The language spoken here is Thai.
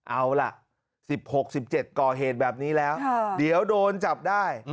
เอาล่ะ๑๖๑๗ก่อเหตุแบบนี้แล้วเดี๋ยวโดนจับได้